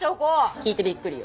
聞いてびっくりよ。